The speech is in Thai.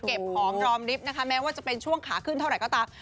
เก็บหอมรอมริฟต์นะคะแม้ว่าจะเป็นช่วงขาขึ้นเท่าไหร่ก็ตาม